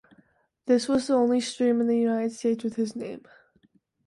This is the only stream in the United States with this name.